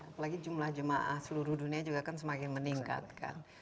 apalagi jumlah jemaah seluruh dunia juga kan semakin meningkat kan